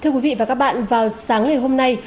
thưa quý vị và các bạn vào sáng ngày hôm nay